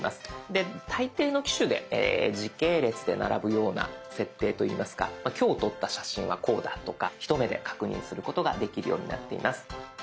で大抵の機種で時系列で並ぶような設定といいますか今日撮った写真はこうだとか一目で確認することができるようになっています。